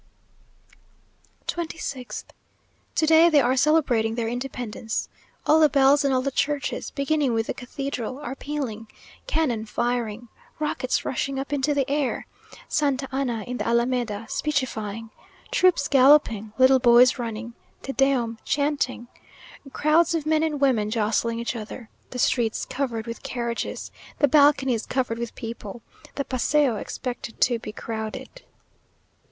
26th. To day they are celebrating their independence. All the bells in all the churches, beginning with the cathedral, are pealing cannon firing rockets rushing up into the air Santa Anna in the Alameda, speechifying troops galloping little boys running Te Deum chanting crowds of men and women jostling each other the streets covered with carriages, the balconies covered with people the Paseo expected to be crowded.